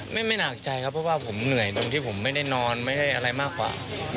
ไม่หนักใจครับเพราะว่าผมเหนื่อยตรงที่ผมไม่ได้นอนไม่ได้อะไรมากกว่า